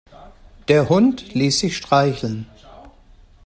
Der Hund ließ sich streicheln.